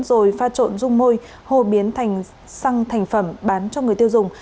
rồi pha trộn rung môi hồ biến thành xăng thành phẩm bán cho người tiêu dùng